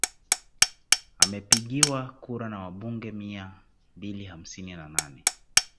Amepigiwa kura na wabunge mia mbili hamsini na nane